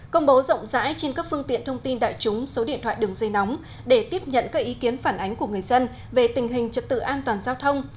công bố rộng rãi trên các phương tiện thông tin đại chúng số điện thoại đường dây nóng để tiếp nhận các ý kiến phản ánh của người dân về tình hình trật tự an toàn giao thông